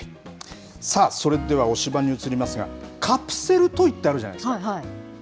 さあ、それでは推しバンに移りますが、カプセルトイってあるじゃないですか。